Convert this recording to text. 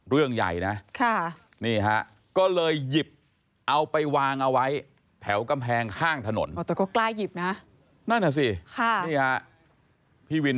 เอาไปวางเอาไว้แผลวกำแพงข้างถนน